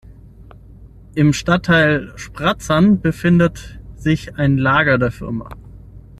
Im Stadtteil Spratzern befindet sich ein Lager der Firma.